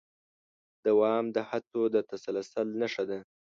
دوام د هڅو د تسلسل نښه ده.